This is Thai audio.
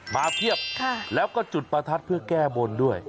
เพียบแล้วก็จุดประทัดเพื่อแก้บนด้วย